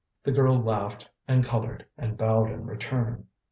The girl laughed and coloured and bowed in return.